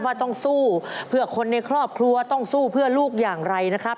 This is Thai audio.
ว่าต้องสู้เพื่อคนในครอบครัวต้องสู้เพื่อลูกอย่างไรนะครับ